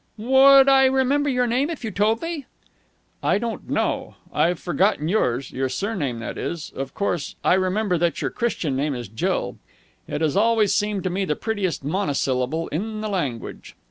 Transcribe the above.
"Would I remember your name if you told me?" "I don't know. I've forgotten yours. Your surname, that is. Of course, I remember that your Christian name was Jill. It has always seemed to me the prettiest monosyllable in the language."